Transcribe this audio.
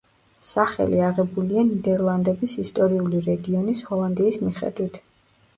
სახელი აღებულია ნიდერლანდების ისტორიული რეგიონის ჰოლანდიის მიხედვით.